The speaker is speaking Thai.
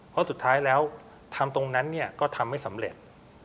เพราะสุดท้ายแล้วทำตรงนั้นเนี่ยก็ทำไม่สำเร็จ